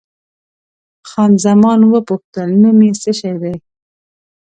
خان زمان وپوښتل، نوم یې څه شی دی؟